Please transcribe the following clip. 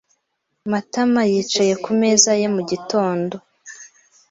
Matama yicaye ku meza ye mu gitondo.